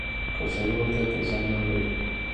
کچالو روغتیا ته زیان نه لري